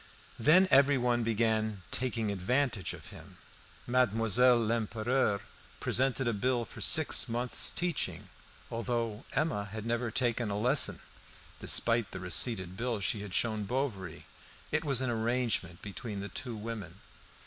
Then everyone began "taking advantage" of him. Mademoiselle Lempereur presented a bill for six months' teaching, although Emma had never taken a lesson (despite the receipted bill she had shown Bovary); it was an arrangement between the two women.